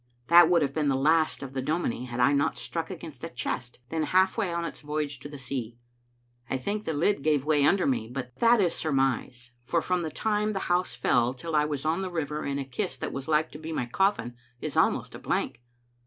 That would Digitized by VjOOQ IC tit tEbe Xtttle Afnfdtet* have been the last of the domiaie had I not struck against a chest, then half way on its voyage to the sea I think the lid gave way under me; but that is sur mise, for from the time the house fell till I was on the river in a kist that was like to be my cofiSn, is almost a blank.